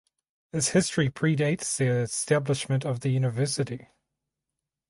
Its history predates the establishment of the university.